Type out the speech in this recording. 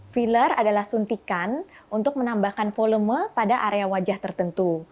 filler adalah suntikan untuk menambahkan volume pada area wajah tertentu